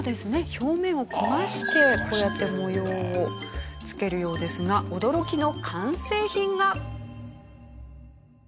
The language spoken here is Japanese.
表面を焦がしてこうやって模様をつけるようですが驚きの完成品が。